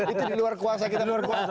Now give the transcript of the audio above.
itu di luar kuasa kita